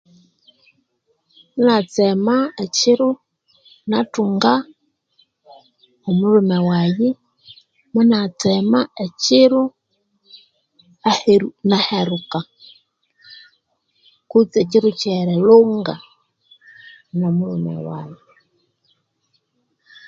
Munatsema ekyiro nathunga omulhume wayi munatsema ekyiro aheru naheruka kutse ekyiro ekyerilunga nomulhume wayi